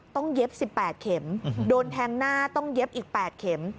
ต้องเย็บสิบแปดเข็มโดนแทงหน้าต้องเย็บอีกแปดเข็ม